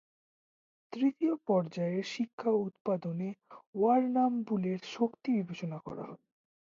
তৃতীয় পর্যায়ের শিক্ষা ও উৎপাদনে ওয়ারনামবুলের শক্তি বিবেচনা করা হয়।